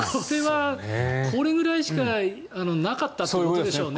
これぐらいしかなかったということでしょうね。